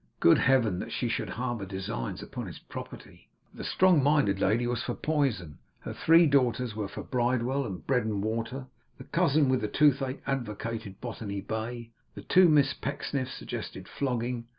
Good Heaven, that she should harbour designs upon his property! The strong minded lady was for poison, her three daughters were for Bridewell and bread and water, the cousin with the toothache advocated Botany Bay, the two Miss Pecksniffs suggested flogging.